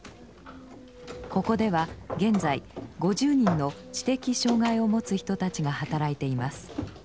ここでは現在５０人の知的障害をもつ人たちが働いています。